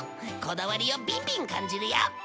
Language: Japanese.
こだわりをビンビン感じるよ！